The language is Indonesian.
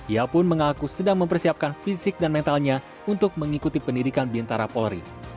ia pun mengaku sedang mempersiapkan fisik dan mentalnya untuk mengikuti pendidikan bintara polri